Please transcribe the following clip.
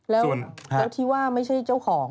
แล้วที่ว่าไม่ใช่เจ้าของ